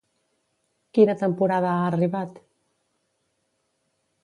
Quina temporada ha arribat?